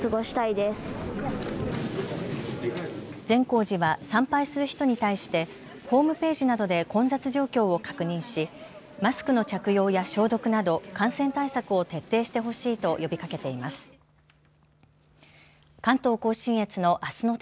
善光寺は参拝する人に対してホームページなどで混雑状況を確認しマスクの着用や消毒など感染対策を徹底してほしいと呼びかけています。